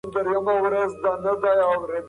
دا زموږ دین دی.